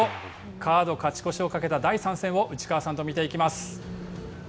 カード勝ち越しをかけた第３戦を内川さんと見ていきます。